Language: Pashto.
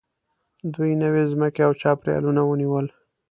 دوی نوې ځمکې او چاپېریالونه ونیول.